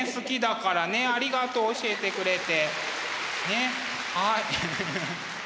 すてきだねありがとう教えてくれて。